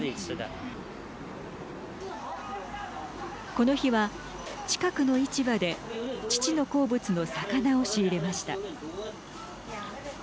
この日は、近くの市場で父の好物の魚を仕入れました。